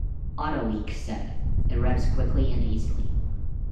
"AutoWeek" said, "It revs quickly and easily.